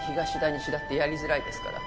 西だってやりづらいですから。